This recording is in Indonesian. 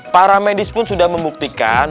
para medis pun sudah membuktikan